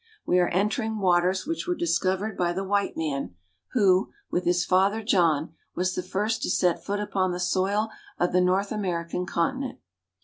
We are entering waters which were discovered by the white man who, with his father John, was the first to set foot upon the soil of the North American continent.